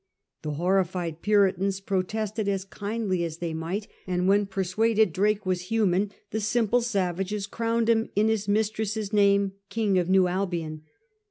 The horrified Puritans protested as kindly as they might, and when persuaded Drake was human, the simple savages crowned him in his mistress's name king of New Albion.